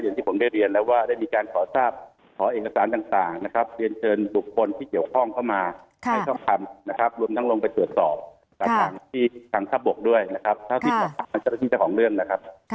เจ้าที่รับผิดชอบในเจ้าที่รับผิดชอบของเรื่องนะครับ